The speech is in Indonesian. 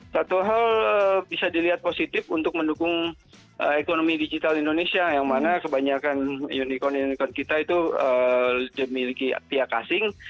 satu hal bisa dilihat positif untuk mendukung ekonomi digital indonesia yang mana kebanyakan unicorn unicorn kita itu dimiliki pihak asing